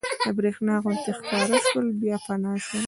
د برېښنا غوندې ښکاره شول بیا فنا شول.